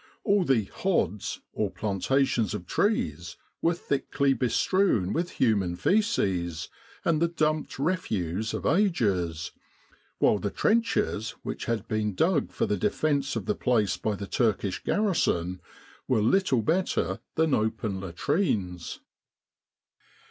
All the "hods," or planta tions of trees, were thickly bestrewn with human fseces and the dumped refuse of ages; while the trenches which had been dug for the defence of the place by the Turkish garrison were little better than open latrines.